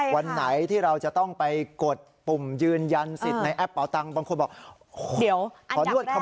วันไหนที่เราจะต้องไปกดปุ่มยืนยันสิทธิ์ในแอปเป๋าตังบางคนบอก